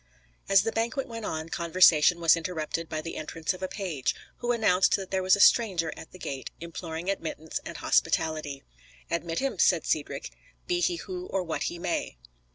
As the banquet went on, conversation was interrupted by the entrance of a page, who announced that there was a stranger at the gate imploring admittance and hospitality. "Admit him," said Cedric, "be he who or what he may."